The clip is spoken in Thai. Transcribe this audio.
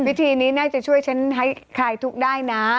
วิทีนนี้น่าจะช่วยฉันไฟล์ทุกข์ได้นะ